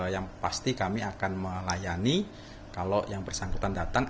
yang pasti kami akan melayani kalau yang bersangkutan datang